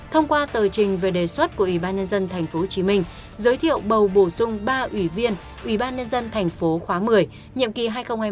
thông qua tờ trình về đề xuất của ubnd tp hcm giới thiệu bầu bổ sung ba ủy viên ubnd tp hcm nhiệm kỳ hai nghìn hai mươi một hai nghìn hai mươi sáu